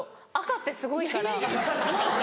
赤ってすごいから。